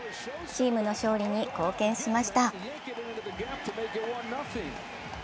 チームの勝利に貢献しました。